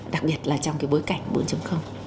đặc biệt là trong cái bối cảnh bốn